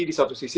di satu sisi